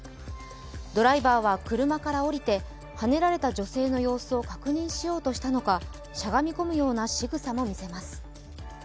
ドライバーは車から降りてはねられた女性の様子を確認しようとしたのか、しゃがみ込むようなしぐさも見せます。